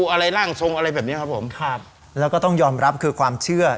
อะไรร่างทรงอะไรแบบนี้ครับผมครับแล้วก็ต้องยอมรับคือความเชื่อ